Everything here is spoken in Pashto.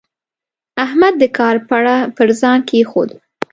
احمد د کار پړه پر ځان کېښوده.